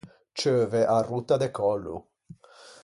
Ceuve à rotta de còllo.